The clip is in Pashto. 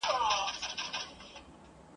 دوست اشارې ته ګوري او دښمن وارې ته ..